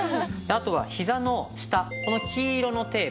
あとはひざの下この黄色のテープ